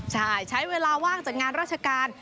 ใช่ใช้เวลาว่างจากงานราชการ